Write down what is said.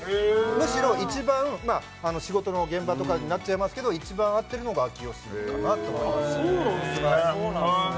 むしろ一番仕事の現場とかになっちゃいますけど一番会ってるのが明慶かなと思います・そうなんすね